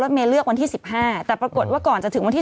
เมย์เลือกวันที่๑๕แต่ปรากฏว่าก่อนจะถึงวันที่๑